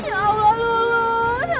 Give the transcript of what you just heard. ya allah luluh